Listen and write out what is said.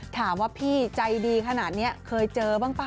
ถามว่าพี่ใจดีขนาดนี้เคยเจอบ้างป่ะ